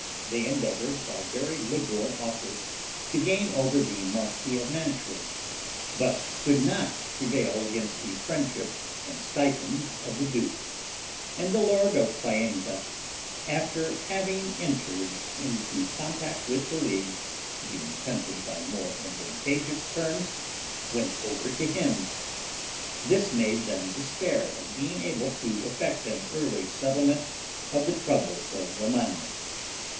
They endeavored, by very liberal offers, to gain over the marquis of Mantua, but could not prevail against the friendship and stipend of the duke; and the lord of Faenza, after having entered into compact with the league, being tempted by more advantageous terms, went over to him. This made them despair of being able to effect an early settlement of the troubles of Romagna.